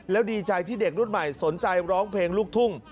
แล้วดีใจที่เด็กรุ่นใหม่สนใจร้องเพลงลูกทุ่ง